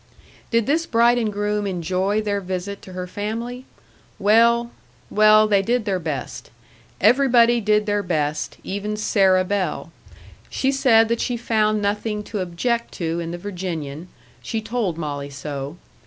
Did this bride and groom enjoy their visit to her family? Well well, they did their best. Everybody did their best, even Sarah Bell. She said that she found nothing to object to in the Virginian; she told Molly so.